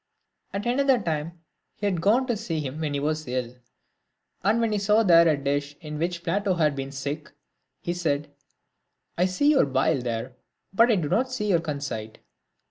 At another time, he had gone to see him when he was ill, and when he saw there a dish in which Plato had been sick, he said, " I see your bile there, but I do not see your conceit."